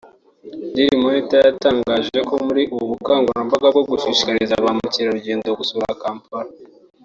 Dail monitor yatangaje ko muri ubu bukangarambaga bwo gushishikiriza ba mukerarugendo gusura Kampala